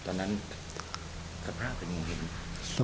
ตัวนั้นสภาพเป็นยังไงครับ